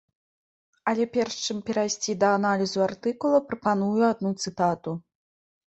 Але перш чым перайсці да аналізу артыкула, прапаную адну цытату.